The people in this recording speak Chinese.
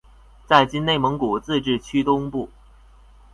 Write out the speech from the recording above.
在今内蒙古自治区东部。